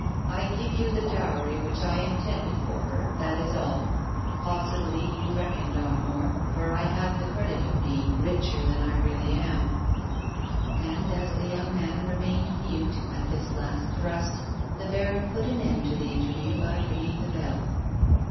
I give you the dowry which I intended for her, that is all. Possibly you reckoned on more, for I have the credit of being richer than I really am." 80 MADEMOISELLE FLAVIE. And as the young man remained mute at this last thrust, the baron put an end to the interview by ringing the bell.